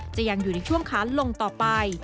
จะยังอยู่ในช่วงขานลงต่อไป